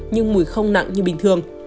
nhưng mùi không nặng như bình thường